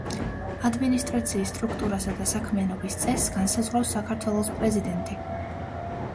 ადმინისტრაციის სტრუქტურასა და საქმიანობის წესს განსაზღვრავს საქართველოს პრეზიდენტი.